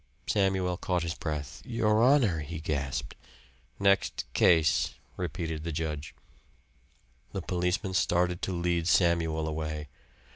Samuel caught his breath. "Your honor," he gasped. "Next case," repeated the judge. The policeman started to lead Samuel away.